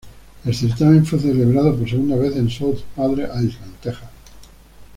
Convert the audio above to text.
El certamen fue celebrado por segunda vez en South Padre Island, Texas.